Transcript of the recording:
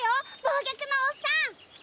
暴虐のおっさん！